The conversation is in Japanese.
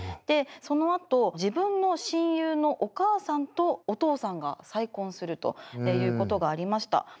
でそのあと自分の親友のお母さんとお父さんが再婚するということがありました。